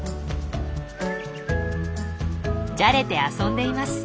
じゃれて遊んでいます。